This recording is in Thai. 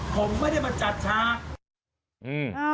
ผมไม่ได้มาจัดช้า